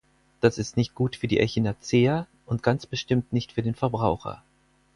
Das ist nicht gut für die Echinacea und ganz bestimmt nicht für den Verbraucher.